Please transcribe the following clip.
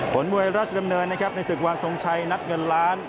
มวยราชดำเนินนะครับในศึกวันทรงชัยนัดเงินล้าน